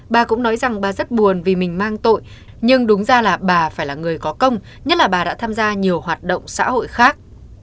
bà cũng nói rằng bà rất buồn vì mình mang tội nhưng đúng ra là bà phải là người có công nhất là bà đã tham gia nhiều hoạt động xã hội khác